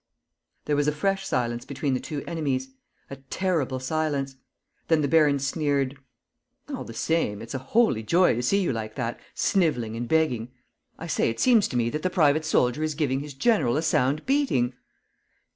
..." There was a fresh silence between the two enemies, a terrible silence. Then the baron sneered: "All the same, it's a holy joy to see you like that, sniveling and begging. I say, it seems to me that the private soldier is giving his general a sound beating!"